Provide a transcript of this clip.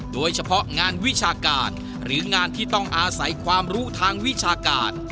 โดยเฉพาะงานวิชาการหรืองานที่ต้องอาศัยความรู้ทางวิชาการ